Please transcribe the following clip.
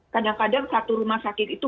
kadang kadang satu rumah sakit itu